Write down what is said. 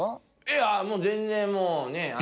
いやもう全然もうね